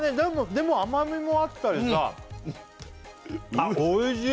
でも甘みもあったりさあおいしい